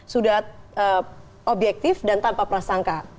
sudah objektif dan tanpa prasangka